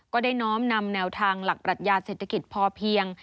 ได้น้อมนำแนวทางหลักปรัชญาเศรษฐกิจพอเพียง